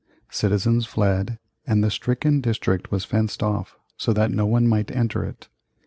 Citizens fled, and the stricken district was fenced off so that no one might enter it.